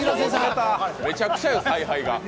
めちゃくちゃよ、采配が。